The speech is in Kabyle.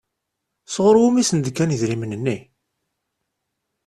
Sɣur wumi i sen-d-kan idrimen-nni?